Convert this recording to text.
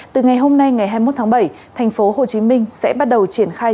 từ ngày hôm nay ngày hai mươi một tháng bảy thành phố hồ chí minh sẽ bắt đầu triển khai